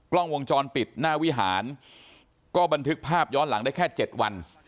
กล้องวงจรปิดหน้าวิหารก็บันทึกภาพย้อนหลังได้แค่๗วัน